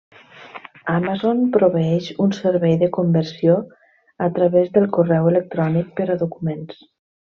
Amazon proveeix un servei de conversió a través del correu electrònic per a documents.